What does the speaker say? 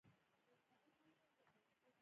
انګلستان مساوي ثلث کې ده.